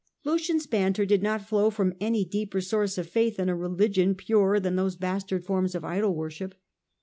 Lucian's banter did not flow from any deeper source of faith in a religion purer than those bastard forms of idol worship.